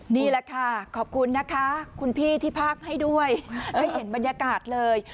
นี่แหละค่ะขอบคุณนะคะคุณพี่ที่ภาคให้ด้วยได้เห็นบรรยากาศเลย